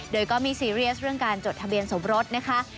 โดยก็ไม่ซีเรียสเรื่องการจดทะเบียนสมรสนะคะ